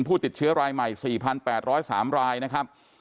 ผู้ติดเชื้อรายใหม่๔๘๐๓รายนะครับ